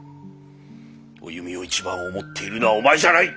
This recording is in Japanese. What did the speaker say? おゆみを一番思っているのはお前じゃない。